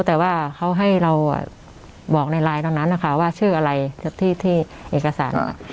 แต่ว่าเขาให้เราบอกในไลน์ตอนนั้นนะคะว่าชื่ออะไรที่เอกสาร